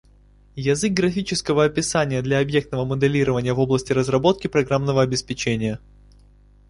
Язык графического описания для объектного моделирования в области разработки программного обеспечения